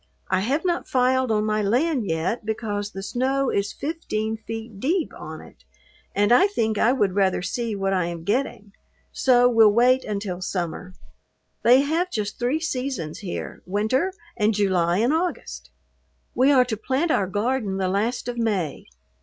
I have not filed on my land yet because the snow is fifteen feet deep on it, and I think I would rather see what I am getting, so will wait until summer. They have just three seasons here, winter and July and August. We are to plant our garden the last of May.